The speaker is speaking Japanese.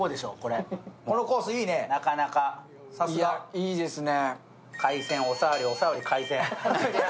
いいですね。